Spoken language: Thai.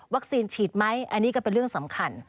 ฉีดไหมอันนี้ก็เป็นเรื่องสำคัญ